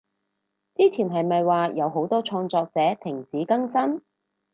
之前係咪話有好多創作者停止更新？